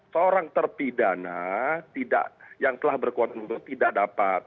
seorang terpidana tidak yang telah berkuat undang undang tidak dapat